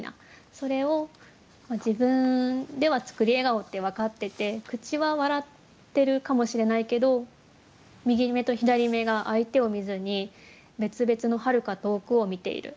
それを自分では作り笑顔って分かってて口は笑ってるかもしれないけど右目と左目が相手を見ずに別々のはるか遠くを見ている。